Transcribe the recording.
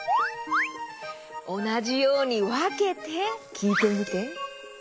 おなじようにわけてきいてみて。